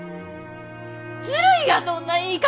ずるいがそんな言い方！